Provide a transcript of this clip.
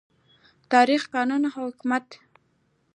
تاریخ، قانون او حکومت